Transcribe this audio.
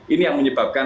ini yang menyebabkan